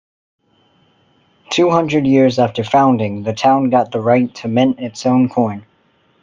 Two hundred years after founding, the town got the right to mint its own coin.